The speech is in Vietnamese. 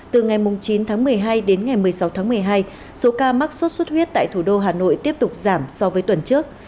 từ ngày chín tháng một mươi hai đến ngày một mươi sáu tháng một mươi hai số ca mắc sốt xuất huyết tại thủ đô hà nội tiếp tục giảm so với tuần trước